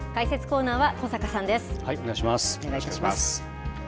お願いします。